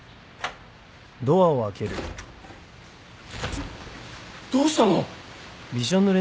ちょっどうしたの？